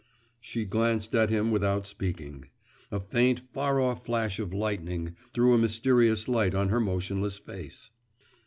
She glanced at him without speaking. A faint, far off flash of lightning threw a mysterious light on her motionless face.